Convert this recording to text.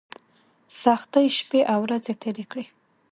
سختۍ شپې او ورځې تېرې کړې.